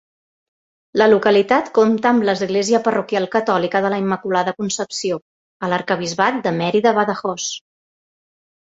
La localitat compta amb l'Església parroquial catòlica de la Immaculada Concepció, a l'Arquebisbat de Mèrida-Badajoz.